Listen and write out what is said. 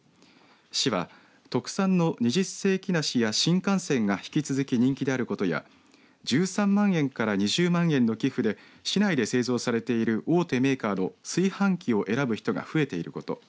市は特産品の二十世紀梨や新甘泉が引き続き人気であることや１３万円から２０万円の寄付で市内で製造されている大手メーカーの炊飯器を選ぶ人が増えていること